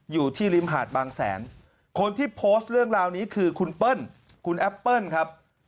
อยู่ที่ริมหาดบางแสนคนที่โพสต์เรื่องราวนี้คือคุณเปิ้ลคุณแอปเปิ้ลครับ